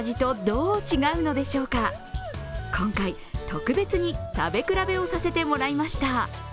今回、特別に食べ比べをさせてもらいました。